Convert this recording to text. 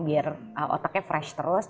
biar otaknya fresh terus